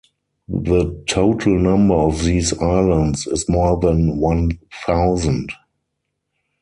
The total number of these islands is more than one thousand.